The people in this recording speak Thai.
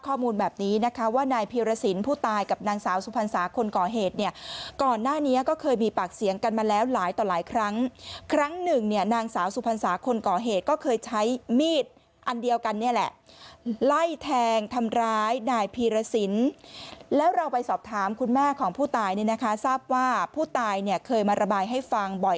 ข้อมูลแบบนี้นะคะว่านายพีรสินผู้ตายกับนางสาวสุพรรษาคนก่อเหตุเนี่ยก่อนหน้านี้ก็เคยมีปากเสียงกันมาแล้วหลายต่อหลายครั้งครั้งหนึ่งเนี่ยนางสาวสุพรรษาคนก่อเหตุก็เคยใช้มีดอันเดียวกันเนี่ยแหละไล่แทงทำร้ายนายพีรสินแล้วเราไปสอบถามคุณแม่ของผู้ตายเนี่ยนะคะทราบว่าผู้ตายเนี่ยเคยมาระบายให้ฟังบ่อย